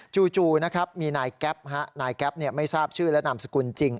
จู่นะครับมีนายแก๊ปนายแก๊ปไม่ทราบชื่อและนามสกุลจริง